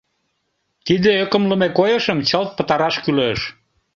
Тиде ӧкымлымӧ койышым чылт пытараш кӱлеш.